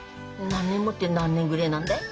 何年もって何年ぐれえなんだい？